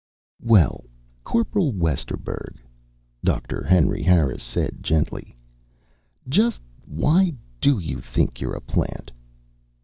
"Well, Corporal Westerburg," Doctor Henry Harris said gently, "just why do you think you're a plant?"